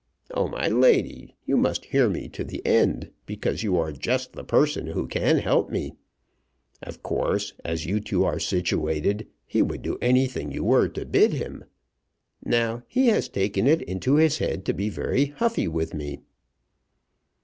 "Oh, my lady, you must hear me to the end, because you are just the person who can help me. Of course as you two are situated he would do anything you were to bid him. Now he has taken it into his head to be very huffy with me."